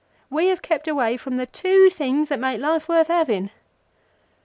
We have kept away from the two things that make life worth having."